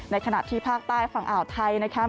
ขณะที่ภาคใต้ฝั่งอ่าวไทยนะคะ